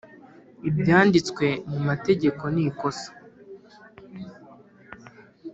ibyanditswe mu mategeko nikosa.